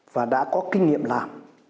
và đã có kinh nghiệm làm